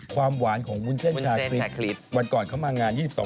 ความหวานของวุลเซทชาคริปวันก่อนเขามผมงาน๒๒ปีปฤภาษณ์